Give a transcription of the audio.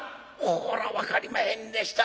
こら分かりまへんでしたな。